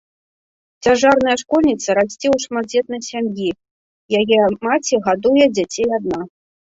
Цяжарная школьніца расце ў шматдзетнай сям'і, яе маці гадуе дзяцей адна.